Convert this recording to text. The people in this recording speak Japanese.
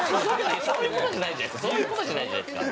そういう事じゃないじゃないですか。